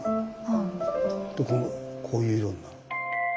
こういう色になる。